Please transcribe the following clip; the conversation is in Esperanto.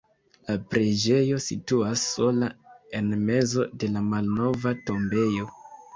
La preĝejo situas sola en mezo de la malnova tombejo.